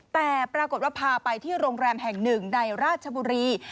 แต่ปรากฏว่าพาไปที่โรงแรมแห่งหนึ่งในราชบุรี